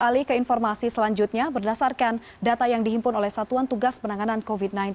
alih ke informasi selanjutnya berdasarkan data yang dihimpun oleh satuan tugas penanganan covid sembilan belas